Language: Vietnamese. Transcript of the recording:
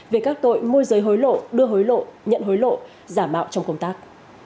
về các tội môi giới hối lộ đưa hối lộ nhận hối lộ giả mạo trong công tác